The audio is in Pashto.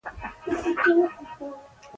لوڅې پښې ګرځېدلی یم.